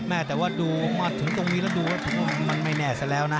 แต่ว่าดูมาถึงตรงนี้แล้วดูว่ามันไม่แน่ซะแล้วนะ